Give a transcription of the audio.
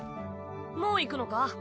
もう行くのか？